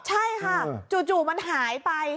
ใช่ค่ะจู่มันหายไป